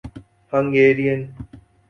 Hungarian